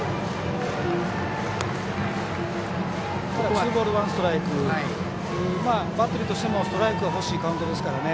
ツーボールワンストライクバッテリーとしてもストライクが欲しいカウントですからね。